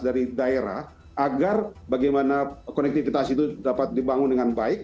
dari daerah agar bagaimana konektivitas itu dapat dibangun dengan baik